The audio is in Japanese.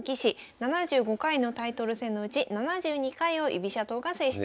７５回のタイトル戦のうち７２回を居飛車党が制しています。